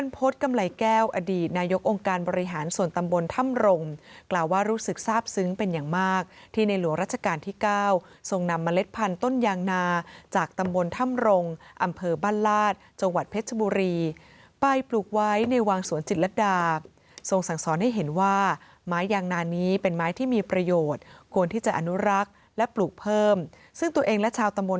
พฤษกำไรแก้วอดีตนายกองค์การบริหารส่วนตำบลถ้ำรงกล่าวว่ารู้สึกทราบซึ้งเป็นอย่างมากที่ในหลวงราชการที่๙ทรงนำเมล็ดพันธุต้นยางนาจากตำบลถ้ำรงอำเภอบ้านลาดจังหวัดเพชรบุรีไปปลูกไว้ในวังสวนจิตรดาทรงสั่งสอนให้เห็นว่าไม้ยางนานี้เป็นไม้ที่มีประโยชน์ควรที่จะอนุรักษ์และปลูกเพิ่มซึ่งตัวเองและชาวต